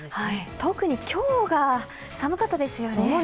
特に今日が寒かったですよね